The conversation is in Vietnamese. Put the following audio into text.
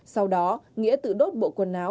sau đó nghĩa tự đốt bộ quần áo